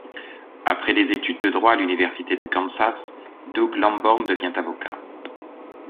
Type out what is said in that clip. Après des études de droit à l'université du Kansas, Doug Lamborn devient avocat.